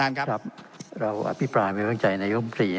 อย่างเดียวถ้าคุณธรรมดิพลากลายวิวังใจในยคมปี